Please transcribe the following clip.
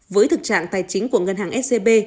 với thực trạng tài chính của ngân hàng scb